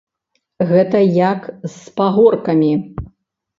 Гэта як з пагоркамі.